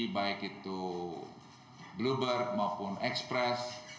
baik itu bluebird maupun express